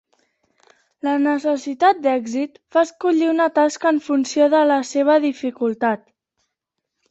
La necessitat d'èxit fa escollir una tasca en funció de la seva dificultat.